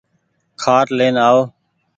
کآٽ لين آئو۔